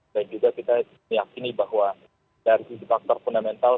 dan juga kita meyakini bahwa dari sisi faktor fundamental